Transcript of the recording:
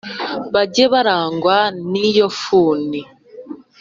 bajye barangwa n'iyo funi